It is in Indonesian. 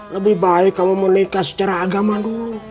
lebih baik kamu menikah secara agama dulu